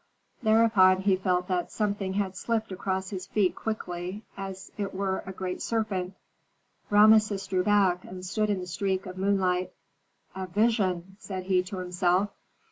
Thereupon he felt that something had slipped across his feet quickly, as it were a great serpent. Rameses drew back and stood in the streak of moonlight. "A vision!" said he to himself.